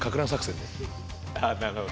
なるほど。